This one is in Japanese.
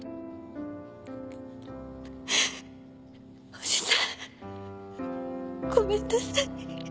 おじさんごめんなさい。